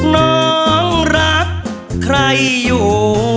น้องรักใครอยู่